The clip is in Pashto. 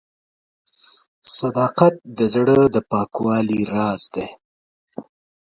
• صداقت د زړه د صفا راز دی.